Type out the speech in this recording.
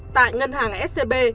tại ngân hàng scb